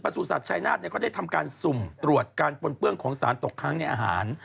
สู่สัตว์ชายนาฏก็ได้ทำการสุ่มตรวจการปนเปื้องของสารตกค้างในอาหาร